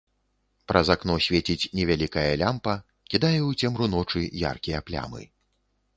Праз акно свеціць невялікая лямпа, кідае ў цемру ночы яркія плямы.